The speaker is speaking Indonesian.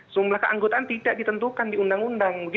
jumlah keanggotaan tidak ditentukan di undang undang